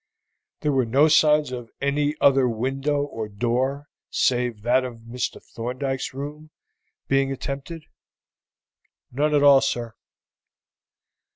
"There were no signs of any other window or door save that of Mr. Thorndyke's room being attempted?" "None at all, sir."